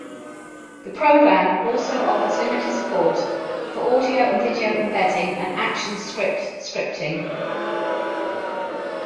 The program also offers limited support for audio and video embedding, and ActionScript scripting.